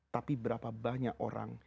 tapi berapa banyak orang